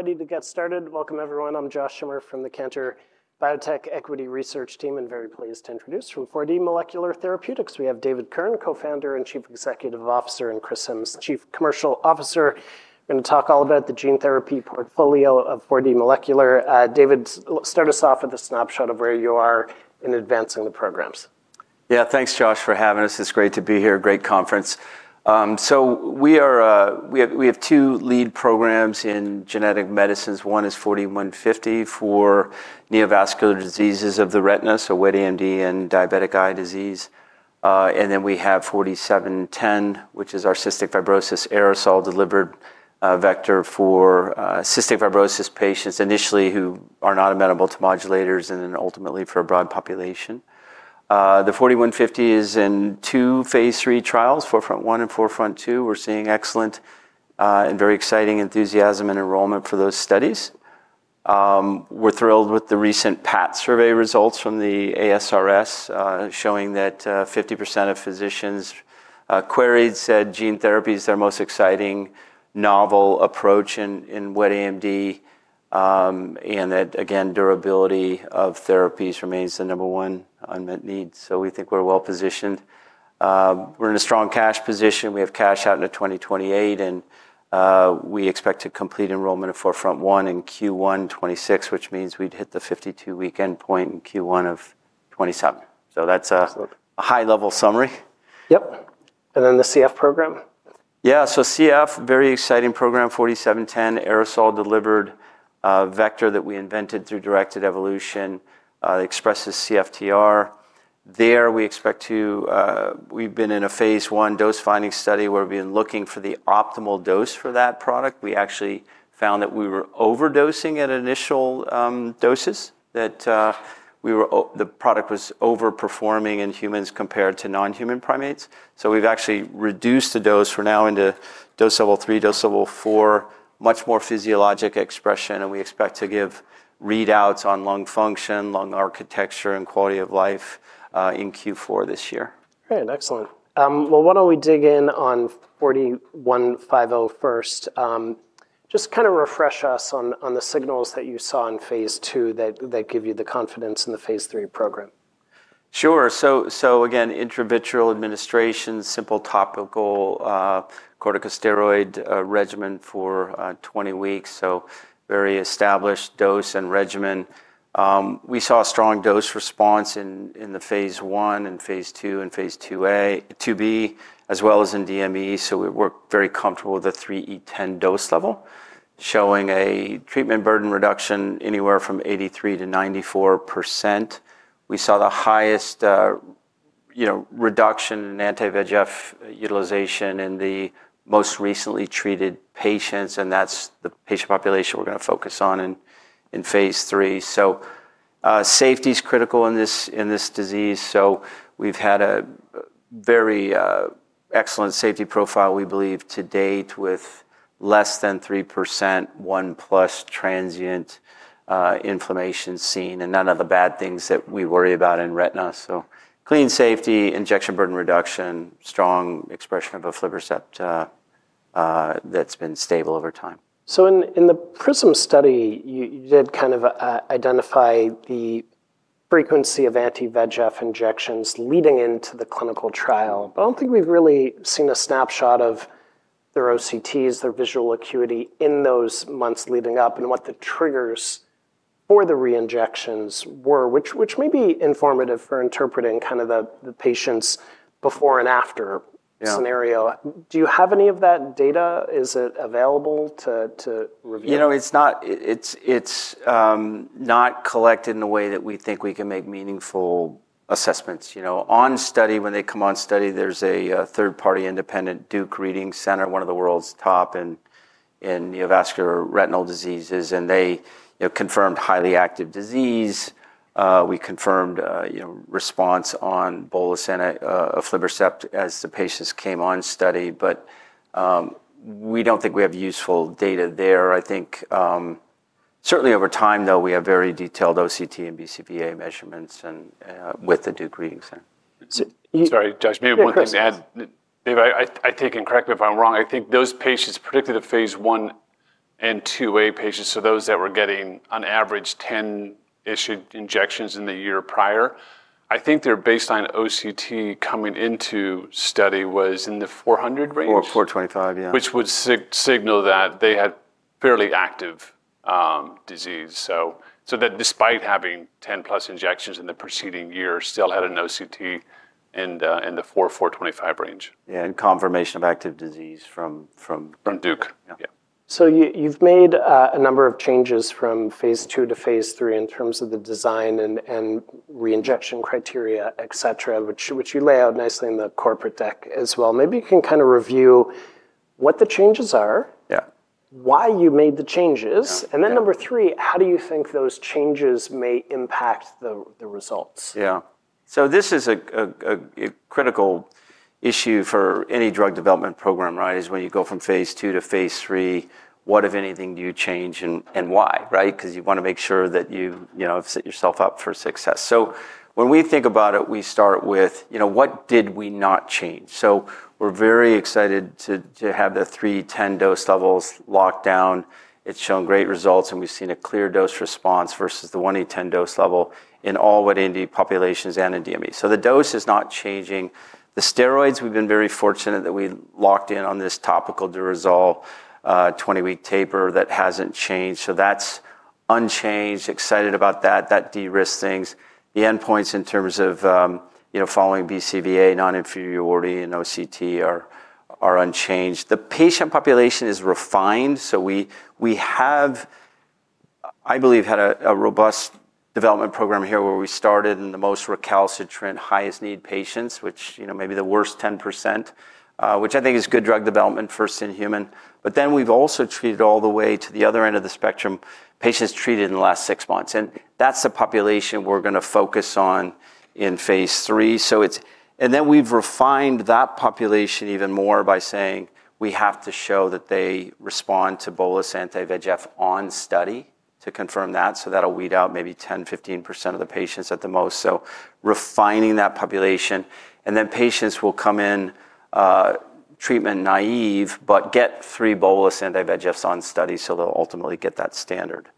All right, we're ready to get started. Welcome everyone. I'm Josh Schimmer from the Cantor Biotech Equity Research Team and very pleased to introduce from four d Molecular Therapeutics. We have David Kern, Co Founder and Chief Executive Officer and Chris Sims, chief commercial officer, going to talk all about the gene therapy portfolio of four d molecular. David, start us off with a snapshot of where you are in advancing the programs. Yeah. Thanks, Josh, for having us. It's great to be here. Great conference. So we are we have two lead programs in genetic medicines. One is 4,150 for neovascular diseases of the retina, so wet AMD and diabetic eye disease. And then we have 4,710, which is our cystic fibrosis aerosol delivered vector for cystic fibrosis patients initially who are not amenable to modulators and then ultimately for a broad population. The four thousand one hundred fifty is in two Phase III trials, FORFORNTA I and FORFORNTA II. We're seeing excellent and very exciting enthusiasm and enrollment for those studies. We're thrilled with the recent PAT survey results from the ASRS showing that fifty percent of physicians queried, said gene therapy is their most exciting novel approach in wet AMD and that, again, durability of therapies remains the number So we think we're well positioned. We're in a strong cash position. We have cash out into 2028, and we expect to complete enrollment of FARFront one in Q1 'twenty six, which means we'd hit the fifty two week endpoint in '7. That's a high level summary. And then the CF program? Yeah. So CF, very exciting program, 04/2010, aerosol delivered vector that we invented through directed evolution that expresses CFTR. There, we expect to we've been in a Phase I dose finding study where we've been looking for the optimal dose for that product. We actually found that we were overdosing at initial doses, that we were the product was overperforming in humans compared to nonhuman primates. So we've actually reduced the dose for now into dose level three, dose level four, much more physiologic expression and we expect to give readouts on lung function, lung architecture and quality of life in Q4 this year. Great. Excellent. Well, why don't we dig in on forty one thousand five hundred first? Just kind of refresh us on the signals that you saw in Phase II that give you the confidence in the Phase III program. Sure. So again, intravitreal administration, simple topical corticosteroid regimen for twenty weeks, so very established dose and regimen. We saw a strong dose response in the Phase I and Phase II and Phase IIa IIb as well as in DME, so we were very comfortable with the 3e10 dose level, showing a treatment burden reduction anywhere from eighty three percent to ninety four percent. We saw the highest, you know, reduction in anti VEGF utilization in the most recently treated patients, and that's the patient population we're going to focus on in Phase III. So safety is critical in this disease. So we've had a very excellent safety profile, we believe, to date with less than three percent one plus transient inflammation seen and none of the bad things that we worry about in retina. Clean safety, injection burden reduction, strong expression of aflibercept that's been stable over time. So in the PRIZM study, you did kind of identify the frequency of anti VEGF injections leading into the clinical trial. I don't think we've really seen a snapshot of their OCTs, their visual acuity, in those months leading up and what the triggers for the reinjections were, which may be informative for interpreting kind of the patient's before and after scenario. You have any of that data? Is it available to review? You know, it's not collected in a way that we think we can make meaningful assessments. You know, on study, when they come on study, there's a third party independent Duke Reading Center, one of the world's top in neovascular retinal diseases, and they confirmed highly active disease. We confirmed response on bolus and aflibercept as the patients came on study, but we don't think we have useful data there. I think certainly, over time, though, we have very detailed OCT and BCVA measurements and with the Duke Readings Center. Sorry, Josh, maybe one thing to add. Dave, I think and correct me if I'm wrong, I think those patients predicted a Phase I and IIa patients, so those that were getting, on average, 10 issued injections in the year prior, I think their baseline OCT coming into study was in the 400 range. $4.25, yes. Which would signal that they had fairly active Westerdahl: Westerdahl: disease, so that despite having 10 plus injections in the preceding year, still had an OCT in the four twenty five range. Yeah, and confirmation of active disease from From Yeah. So, you've made a number of changes from phase two to phase three in terms of the design and reinjection criteria, etcetera, which you lay out nicely in the corporate deck as well. Maybe you can kind of review what the changes are, why you made the changes, and then number three, how do you think those changes may impact the results? Yeah. So, this is a critical issue for any drug development program, right, is when you go from Phase II to Phase III, what, if anything, do you change and why, right, because you want to make sure that you, you know, set yourself up for success. So when we think about it, we start with, you know, what did we not change? So we're very excited to have the three ten dose levels locked down. It's shown great results and we've seen a clear dose response versus the 1e10 dose level in all wet AMD populations and in DME. So the dose is not changing. The steroids, we've been very fortunate that we locked in on this topical Durezol twenty week taper that hasn't changed. So that's unchanged, excited about that. That derisks things. The endpoints in terms of following BCVA non inferiority and OCT are unchanged. The patient population is refined. So we have, I believe, had a robust development program here where we started in the most high need patients, which, you know, may be the worst ten percent, which I think is good drug development first in human. But then we've also treated all the way to the other end of the spectrum patients treated in the last six months, and that's the population we're going to focus on in Phase III. So it's and then we've refined that population even more by saying we have to show that they respond to bolus anti VEGF on study to confirm that, so that will weed out maybe ten percent, fifteen percent of the patients at the most. So refining that population and then patients will come in treatment naive but get three bolus anti VEGFs on studies, so they'll ultimately get that standard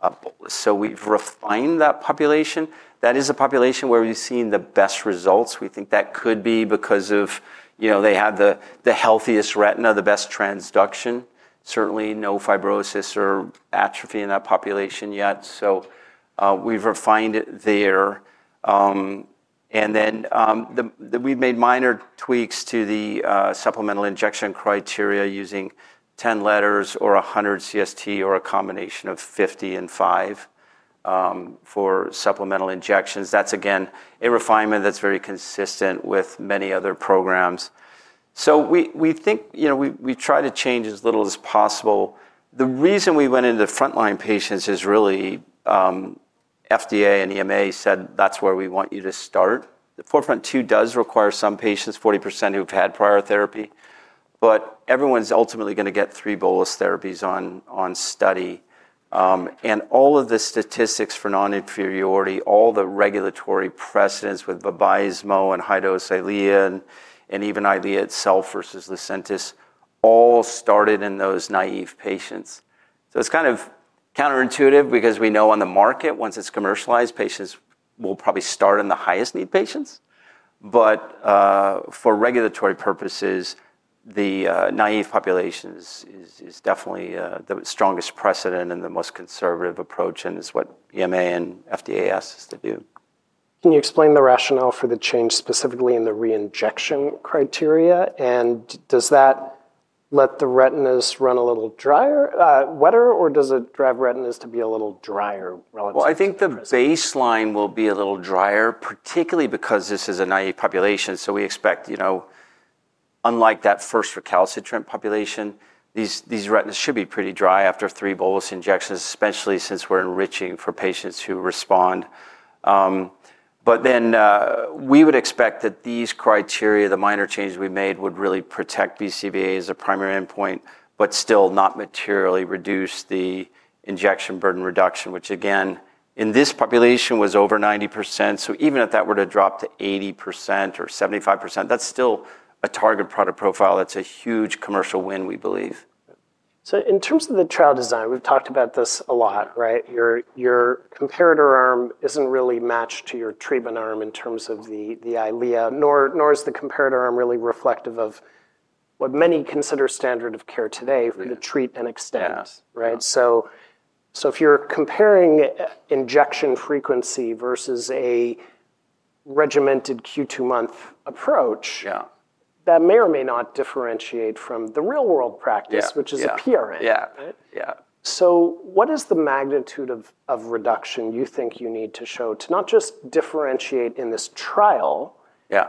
of bolus. So we've refined that population. That is a population where we've seen the best results. We think that could be because of, you know, they have the healthiest retina, the best transduction, certainly no fibrosis or atrophy in that population yet. So we've refined it there. And then we've made minor tweaks to the supplemental injection criteria using 10 letters or 100 CST or a combination of 55 for supplemental injections. That's, again, a refinement that's very consistent with many other programs. So we think, you know, we try to change as little as possible. The reason we went into frontline patients is really FDA and EMA said, That's where we want you to start. The FORFront two does require some patients, forty percent, who've had prior therapy, but everyone is ultimately going to get three bolus therapies on study. And all of the statistics for non inferiority, all the regulatory precedents with Vabismo and high dose EYLEA and even EYLEA itself versus Lucentis all started in those naive patients. So it's kind of counterintuitive because we know on the market, once it's commercialized, patients will probably start in the highest need patients, but for regulatory purposes, the naive population is definitely the strongest precedent and the most conservative approach and is what EMA and FDA asks us to do. Can you explain the rationale for the change specifically in the reinjection criteria? And does that let the retinas run a little drier, wetter, or does it drive retinas to be a little drier relative to Well, I think the baseline will be a little drier, particularly because this is a naive population, so we expect, you know, unlike that first recalcitrant population, these retinas should be pretty dry after three bolus injections, especially since we're enriching for patients who respond. But then we would expect that these criteria, the minor changes we made, would really protect BCVA as a primary endpoint, but still not materially reduce the injection burden reduction, which again, in this population was over ninety percent. So even if that were to drop to eighty percent or seventy five percent, that's still a target product profile. It's a huge commercial win, we believe. So, in terms of the trial design, we've talked about this a lot, right? Your comparator arm isn't really matched to your treatment arm in terms of the EYLEA, nor is the comparator arm really reflective of what many consider standard of care today, we treat and extend, right? So, if you're comparing injection frequency versus a regimented Q2 month approach, that may or may not differentiate from the real world practice, which is a PRN. So what is the magnitude of reduction you think you need to show to not just differentiate in this trial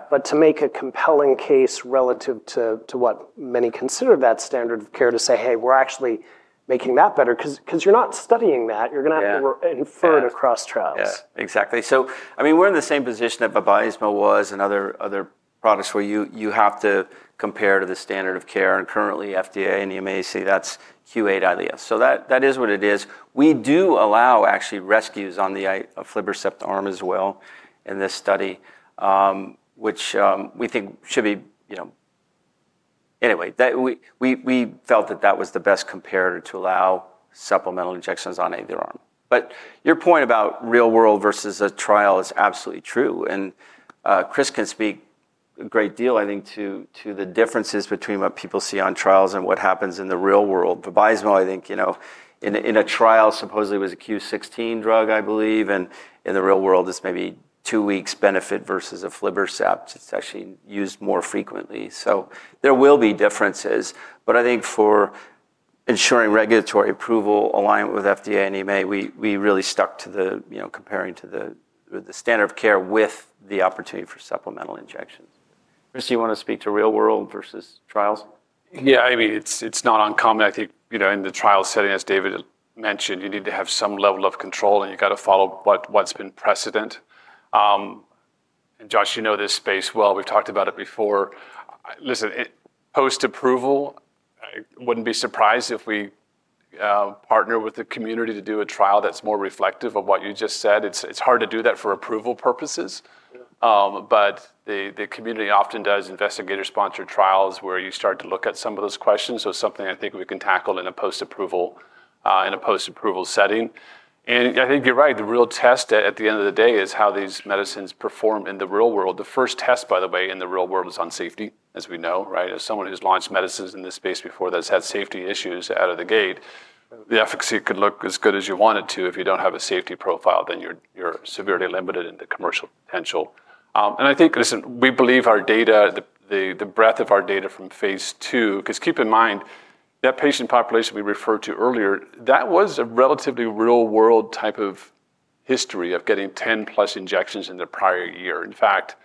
but to make a compelling case relative to what many consider that standard of care to say, Hey, we're actually making that better. Because you're not studying that. You're going to have to infer it across trials. Yeah, exactly. So, I mean, we're in the same position that Babaismo was and other products where you have to compare to the standard of care and currently FDA and EMA see that's Q8 Eylea. So that is what it is. We do allow actually rescues on the aflibercept arm as well in this study, which we think should be, you know Anyway, we felt that that was the best comparator to allow supplemental injections on either arm. But your point about real world versus a trial is absolutely true, and Chris can speak a great deal, I think, to the differences between what people see on trials and what happens in the real world. For Bismol, I think, you know, in a trial supposedly was a Q16 drug, I believe, and in the real world, it's maybe two weeks benefit versus aflibercept. It's actually used more frequently. So there will be differences. But I think for ensuring regulatory approval, alignment with FDA and EMA, we really stuck to the, you know, comparing to the standard of care with the opportunity for supplemental injections. Chris, do want to speak to real world versus trials? Yeah. I mean, it's not uncommon. Think, you know, in the trial setting, as David mentioned, you need to have some level of control and you've got to follow what's been precedent. And Josh, you know this space well. We've talked about it before. Listen, post approval, I wouldn't be surprised if we, partner with the community to do a trial that's more reflective of what you just said. It's hard to do that for approval purposes, but the community often does investigator sponsored trials where you start to look at some of those questions. So it's something I think we can tackle in a post approval setting. And I think you're right, the real test at the end of the day is how these medicines perform in the real world. The first test, by the way, in the real world is on safety, as we know, right? As someone who's launched medicines in this space before that has had safety issues out of the gate, the efficacy could look as good as you want it to. If you don't have a safety profile, then you're severely limited in the commercial potential. And I think, listen, we believe our data the breadth of our data from Phase II because keep in mind, that patient population we referred to earlier, that was a relatively real world type of history of getting 10 plus injections in the prior year. In fact,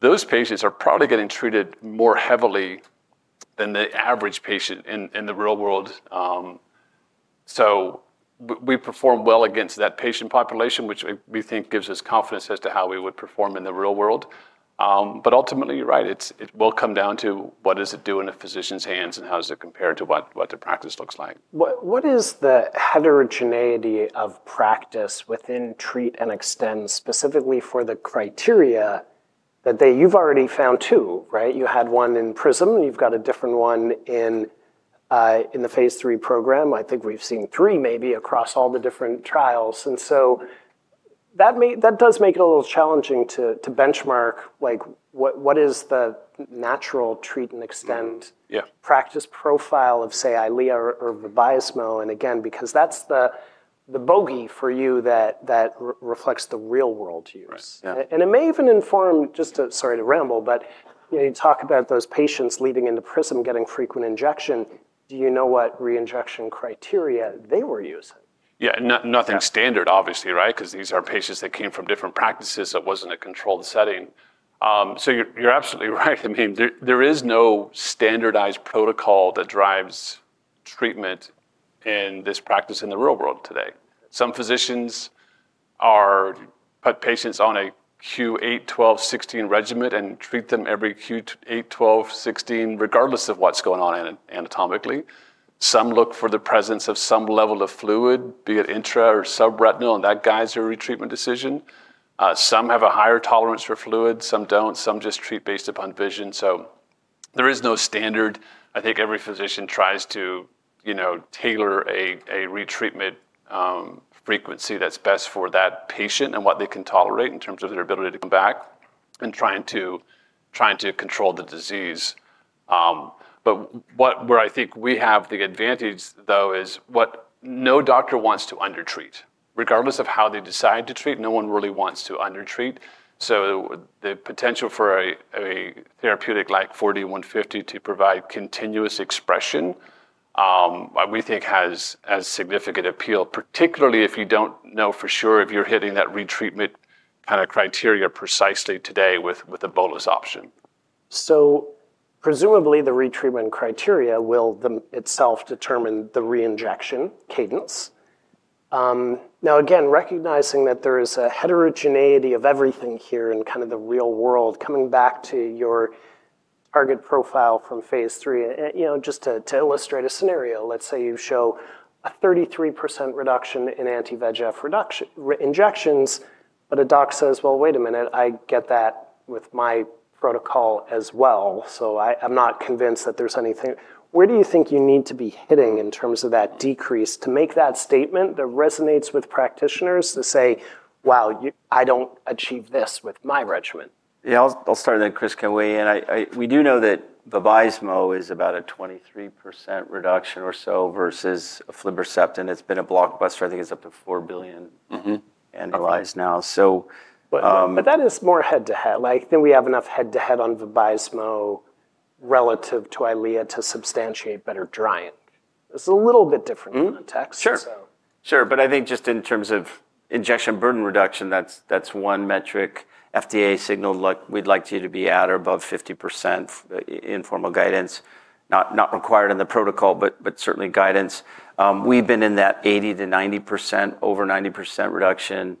those patients are probably getting treated more heavily than the average patient in the real world. So we perform well against that patient population, which we think gives us confidence as to how we would perform in the real world. But ultimately, you're right. Will come down to what does it do in a physician's hands and how does it compare to what the practice looks like. What is the heterogeneity of practice within treat and extend, specifically for the criteria that they you've already found two, right? You had one in PRISM. You've got a different one in the phase three program. I think we've seen three, maybe, across all the different trials. And so that does make it a little challenging to benchmark, like, what is the natural treat and extend practice profile of, say, EYLEA or VIBISMO? And again, because that's the bogey for you that reflects the real world to you. And it may even inform just sorry to ramble but you talk about those patients leading into PRISM getting frequent injection. Do you know what reinjection criteria they were using? Yeah. Nothing standard, obviously, right? Because these are patients that came from different practices that wasn't a controlled setting. So you're absolutely right. I mean, there is no standardized protocol that drives treatment in this practice in the real world today. Some physicians are, put patients on a Q8, twelve, sixteen regimen and treat them every Q8, twelve, sixteen regardless of what's going on anatomically. Some look for the presence of some level of fluid, be it intra or subretinal, and that guides your retreatment decision. Some have a higher tolerance for fluid, some don't, some just treat based upon vision. So, there is no standard. I think every physician tries to, you know, tailor a retreatment frequency that's best for that patient and what they can tolerate in terms of their ability to come back and trying to control the disease. But where I think we have the advantage, though, is what no doctor wants to undertreat. Regardless of how they decide to treat, no one really wants to undertreat. So, the potential for a therapeutic like 4,150 to provide continuous expression, we think has significant appeal, particularly if you don't know for sure if you're hitting that retreatment kind of criteria precisely today with a bolus option. So, presumably, the retreatment criteria will itself determine the reinjection cadence. Now, again, recognizing that there is a heterogeneity of everything here in kind of the real world, coming back to your target profile from phase three, just to illustrate a scenario, let's say you show a thirty three percent reduction in anti VEGF injections, but a doc says, well, wait a minute, I get that with my protocol as well. So I'm not convinced that there's anything. Where do you think you need to be hitting in terms of that decrease to make that statement that resonates with practitioners to say, Wow, I don't achieve this with my regimen? Yeah, I'll start and then Chris can weigh in. We do know that Vovismo is about a 23% reduction or so versus afliberceptin. It's been a blockbuster. I think it's up to 4,000,000,000 annualized now. But that is more head to head. Do we have enough head to head on Vovismo relative to EYLEA to substantiate better drying? It's a little bit different context. Sure. Sure. But I think just in terms of injection burden reduction, that's one metric. FDA signaled, look, we'd like you to be at or above 50% informal guidance, not required in the protocol, but certainly guidance. We've been in that eighty percent to 90%, over 90% reduction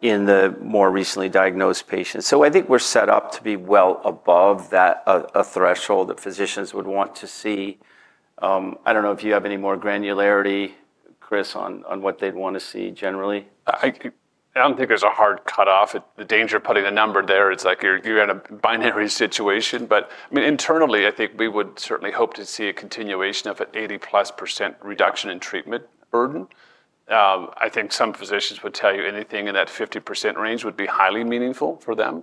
in the more recently diagnosed patients. So I think we're set up to be well above that threshold that physicians would want to see. I don't know if you have any more granularity, Chris, on what they'd want to see generally. I don't think there's a hard cutoff. The danger of putting a number there, it's like you're in a binary situation. But, I mean, internally, I think we would certainly hope to see a continuation of an 80 plus percent reduction in treatment burden. I think some physicians would tell you anything in that 50% range would be highly meaningful for them.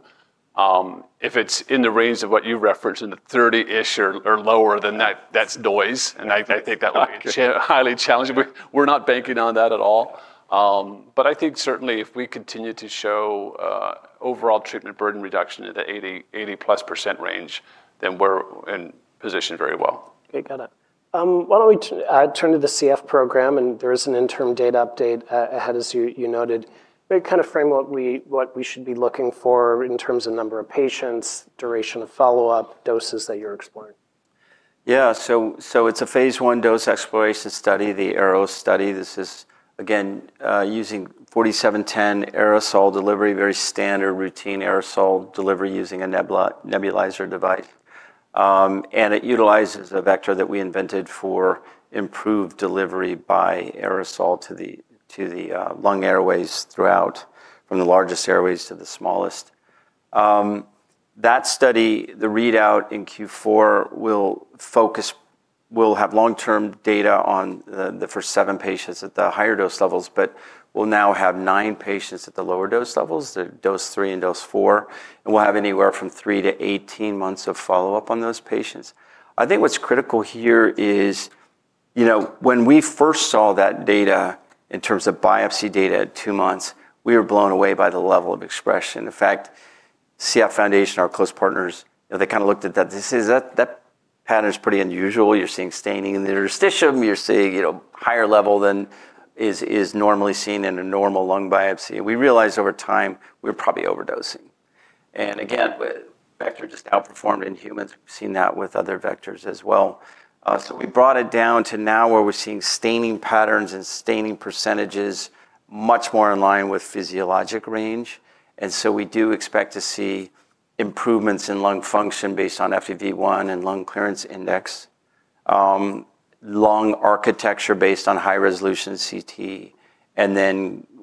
If it's in the range of what you referenced, in the 30ish or lower, then that's noise. And I think that will be a highly challenging way. We're not banking on that at all. But I think, certainly, if we continue to show overall treatment burden reduction in the 80 -plus range, then we're positioned very well. Okay. Got it. Why don't we turn to the CF program, and there is an interim data update ahead, as you noted. Maybe kind of frame what we should be looking for in terms of number of patients, duration of follow-up, doses that you're exploring. Yeah. So it's a Phase I dose exploration study, the ARROW study. This is, again, using 4,710 aerosol delivery, very standard routine aerosol delivery using a nebulizer device, and it utilizes a vector that we invented for improved delivery by aerosol to the lung airways throughout, from the largest airways to the smallest. That study, the readout in Q4 will focus will have long term data on the first seven patients at the higher dose levels, but we'll now have nine patients at the lower dose levels, the dose three and dose four, and we'll have anywhere from three to eighteen months of follow-up on those patients. I think what's critical here is, you know, when we first saw that data in terms of biopsy data at two months, we were blown away by the level of expression. In fact, CF Foundation, our close partners, they kind of looked at that and said, That pattern is pretty unusual. You're seeing staining in the interstitium. You're seeing a higher level than is normally seen in a normal lung biopsy. We realized over time we were probably overdosing. And again, the vector just outperformed in humans. We've seen that with other vectors as well. So we brought it down to now where we're seeing staining patterns and staining percentages much more in line with physiologic range, and so we do expect to see improvements in lung function based on FEV1 and lung clearance index, lung architecture based on high resolution CT, and then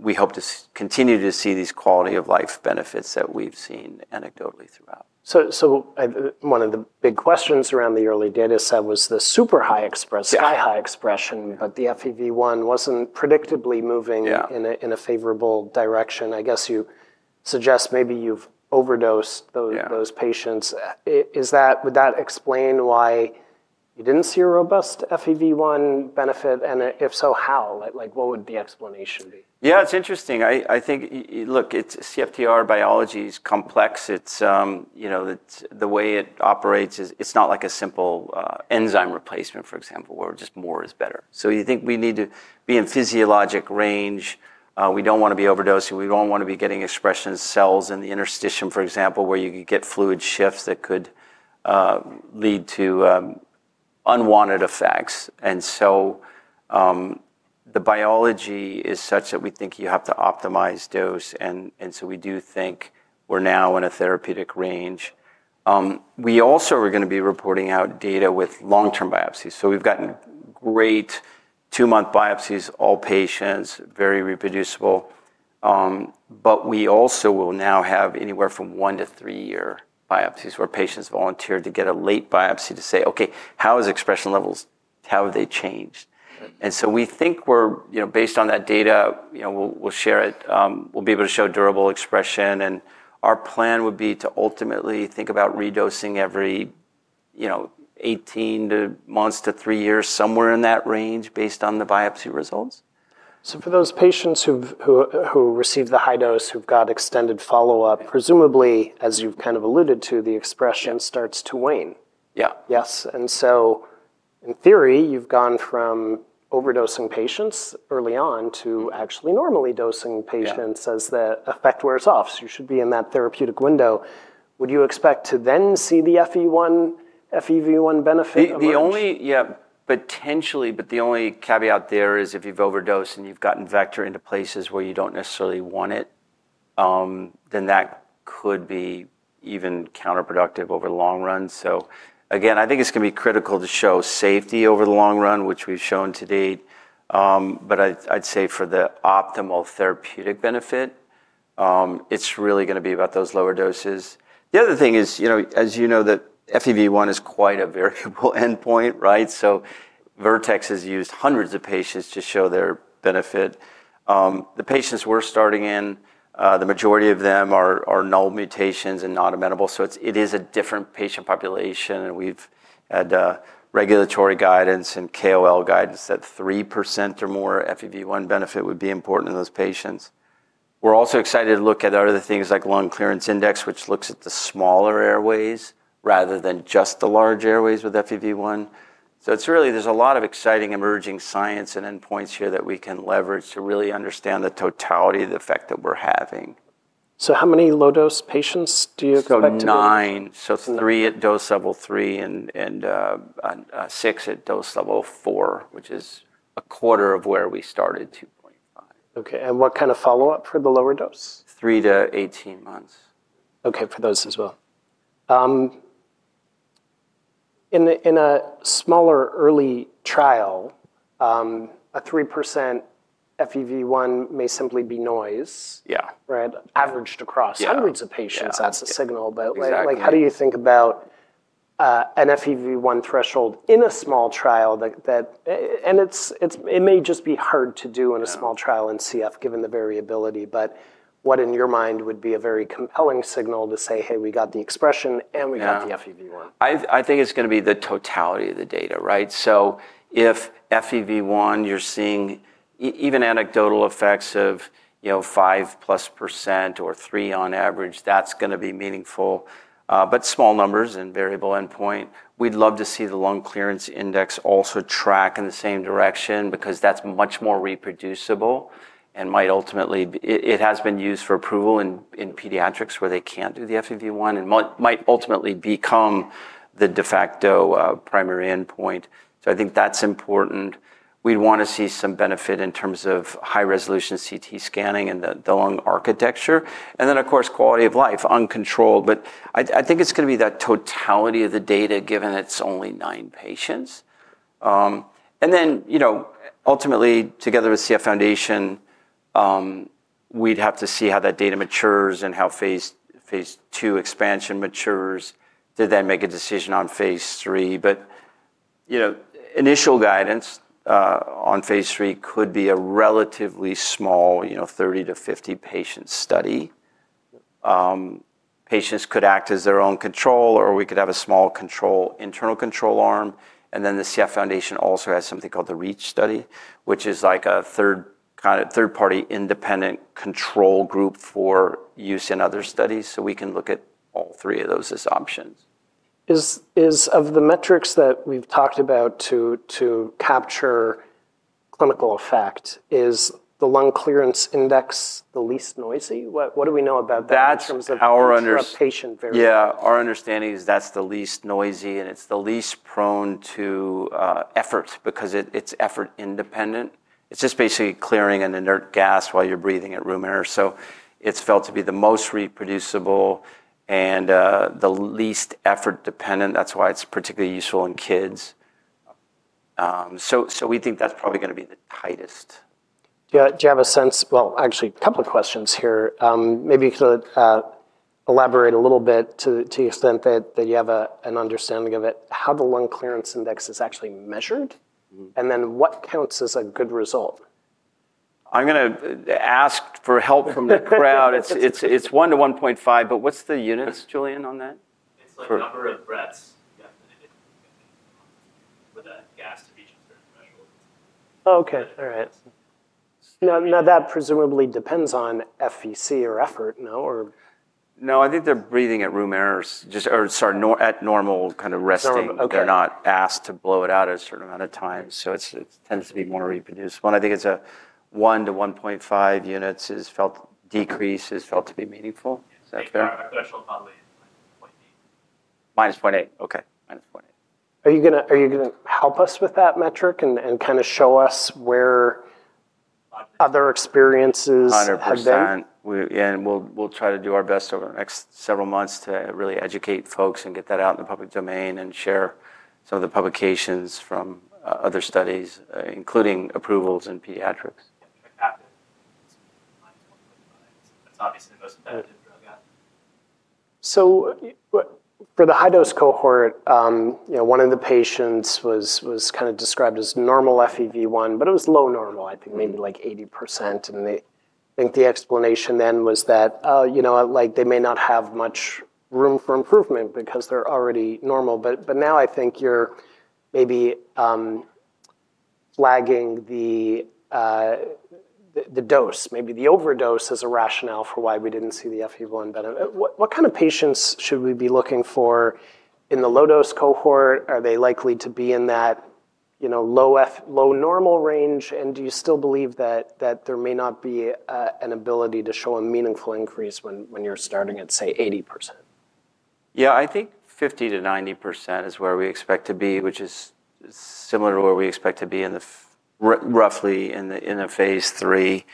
we hope to continue to see these quality of life benefits that we've seen anecdotally throughout. So, one of the big questions around the early data set was the super high expression, sky high expression, but the FEV1 wasn't predictably moving in a favorable direction. I guess you suggest maybe you've overdosed those Is that would that explain why you didn't see a robust FEV1 benefit? And if so, how? Like, what would the explanation be? Yeah, it's interesting. I think, look, it's CFTR biology is complex. It's, you know, the way it operates is it's not like a simple enzyme replacement, for example, where just more is better. So, you think we need to be in physiologic range. We don't want to be overdosing. We don't want to be getting expression of cells in the interstitium, for example, where you can get fluid shifts that could lead to unwanted effects. And so the biology is such that we think you have to optimize dose and so we do think we're now in a therapeutic range. We also are going to be reporting out data with long term biopsies. So we've gotten great two month biopsies, all patients, very reproducible, but we also will now have anywhere from one to three year biopsies where patients volunteer to get a late biopsy to say, Okay, how is expression levels? How have they changed? And so we think we're, you know, based on that data, you know, we'll share it. We'll be able to show durable expression and our plan would be to ultimately think about redosing every, eighteen months to three years, somewhere in that range based on the biopsy results. So for those patients who receive the high dose who've got extended follow-up, presumably, as you've kind of alluded to, the expression starts to wane. Yes. And so in theory, you've gone from overdosing patients early on to actually normally dosing patients as the effect wears off. So you should be in that therapeutic window. Would you expect to then see the FEV1 benefit? The only yeah, potentially, but the only caveat there is if you've overdosed and you've gotten vector into places where you don't necessarily want it, then that could be even counterproductive over the long run. So, again, I think it's going be critical to show safety over the long run, which we've shown to date, but I'd say for the optimal therapeutic benefit, it's really going to be about those lower doses. The other thing is, as you know, FEV1 is quite a variable endpoint, right? So Vertex has used hundreds of patients to show their benefit. The patients we're starting in, the majority of them are null mutations and non amenable, so it is a different patient population and we've had regulatory guidance and KOL guidance that three percent or more FEV1 benefit would be important in those patients. We're also excited to look at other things like Lung Clearance Index, which looks at the smaller airways rather than just the large airways with FEV1. So it's really there's a lot of exciting emerging science and endpoints here that we can leverage to really understand the totality effect that we're having. So, how many low dose patients do you expect So, three at dose level three and six at dose level four, which is a quarter of where we started, 2.5. Okay. And what kind of follow-up for the lower dose? Three to eighteen months. Okay, for those as well. Smaller, In early trial, a 3% FEV1 may simply be noise, right, averaged across hundreds of patients. That's a signal. But how do you think about an FEV1 threshold in a small trial that and it may just be hard to do in a small trial in CF, given the variability. But what in your mind would be a very compelling signal to say, Hey, we got the expression and we got Yeah. The think it's going be the totality of the data, right? So if FEV1, you're seeing even anecdotal effects of, five plus percent or three on average. That's going to be meaningful, but small numbers and variable endpoint. We'd love to see the Lung Clearance Index also track in the same direction because that's much more reproducible and might ultimately it has been used for approval in pediatrics where they can't do the FEV1 and might ultimately become the de facto primary endpoint. So I think that's important. We'd want to see some benefit in terms of high resolution CT scanning and the lung architecture. And then, of course, quality of life, uncontrolled, but I think it's going to be the totality of the data given it's only nine patients. And then, ultimately, together with CF Foundation, we'd have to see how that data matures and how Phase II expansion matures to then make a decision on Phase III. But you know, initial guidance on Phase III could be a relatively small, you know, 30 to 50 patient study. Patients could act as their own control or we could have a small control, internal control arm, And then the CF Foundation also has something called the REACH study, which is like a third party independent control group for use in other studies, so we can look at all three of those as options. Is of the metrics that we've talked about to capture clinical effect, is the Lung Clearance Index the least noisy? What do we know about that That's in terms of the how our understanding disrupt patient is that's the least noisy and it's the least prone to effort because it's effort independent. It's just basically clearing an inert gas while you're breathing at room air. So it's felt to be the most reproducible and the least effort dependent. That's why it's particularly useful in kids. So we think that's probably going to be the tightest. Do you have a sense well, actually, couple of questions here. Maybe you could elaborate a little bit to the extent that you have an understanding of it, how the Lung Clearance Index is actually measured and then what counts as a good result? I'm going to ask for help from the crowd. It's one to 1.5, but what's the units, Julian, on that? Like number of breaths with a gas to be just threshold. Okay. All right. Now, that presumably depends on FEC or effort, no? No. Think they're breathing at room air or at normal kind of resting. They're not asked to blow it out at a certain amount of time, so it tends to be more reproduced. One, think it's a one to 1.5 units is felt, decrease is felt to be meaningful. Is that fair? Our threshold probably is minus eight. Minus zero eight. Okay. Minus 0.8. Are you going to help us with that metric and kind of show us where other experiences 100%. Have And we'll try to do our best over the next several months to really educate folks and get that out in the public domain and share some of the publications from other studies, including approvals in pediatrics. So, for the high dose cohort, one of the patients was kind of described as normal FEV1, but it was low normal, I think maybe like eighty percent. And I think the explanation then was that, oh, you know, like they may not have much room for improvement because they're already normal. But now I think you're maybe flagging the dose, maybe the overdose as a rationale for why we didn't see the FEV1 benefit. What kind of patients should we be looking for in the low dose cohort? Are they likely to be in that low normal range? And do you still believe that there may not be an ability to show a meaningful increase when you're starting at, say, eighty percent? Yeah, I think 50% to 90% is where we expect to be, which is similar to where we expect to be in the roughly in Phase III.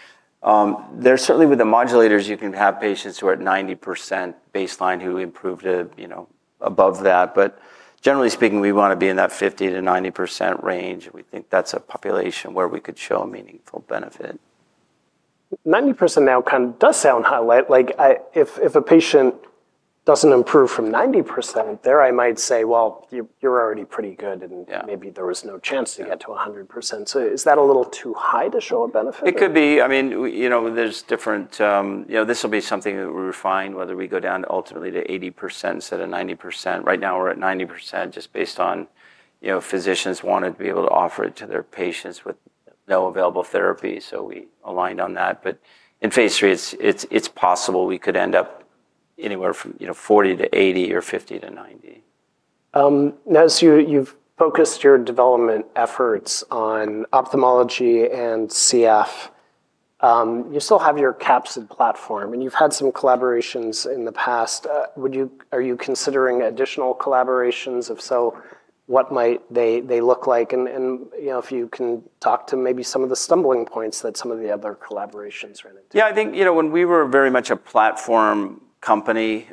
There's certainly, with the modulators, you can have patients who are at ninety percent baseline who improved, you know, above that, but generally speaking, we want to be in that 50% to 90% range and we think that's a population where we could show a meaningful benefit. Ninety percent now kind of does sound high, like if a patient doesn't improve from ninety percent there, I might say, Well, you're already pretty good and maybe there was no chance to get to one hundred percent. So, is that a little too high to show a benefit? It could be. I mean, you know, there's different know, this will be something that we refine whether we go down ultimately to 80% instead of 90%. Right now, we're at 90% just based on, you know, physicians want to be able to offer it to their patients with no available therapy, so we aligned on that. But in Phase III, it's possible we could end up anywhere from 40 to 80 or 50 to 90. Now, as you've focused your development efforts on ophthalmology platform and you've had some collaborations in the past. Would you are you considering additional collaborations? If so, what might they look like? And if you can talk to maybe some of the stumbling points that some of the other collaborations ran into. Yeah, I think, you know, when we were very much a platform company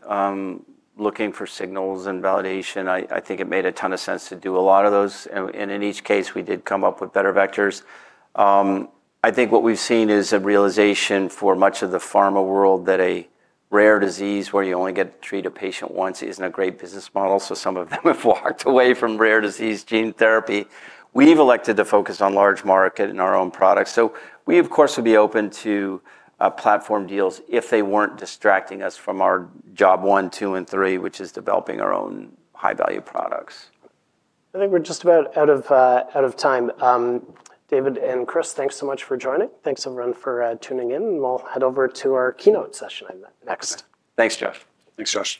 looking for signals and validation, I think it made a ton of sense to do a lot of those, and in each case, we did come up with better vectors. I think what we've seen is a realization for much of the pharma world that a rare disease where you only get to treat a patient once isn't a great business model, so some of them have walked away from rare disease gene therapy. We've elected to focus on large market and our own products, so we, of course, would be open to platform deals if they weren't distracting us from our job one, two and three, which is developing our own high value products. I think we're just about out of time. David and Chris, thanks so much for joining. Thanks everyone for, tuning in. We'll head over to our keynote session next. Thanks, Jeff. Thanks, Josh.